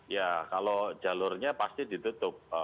ya kalau jalurnya pasti ditutup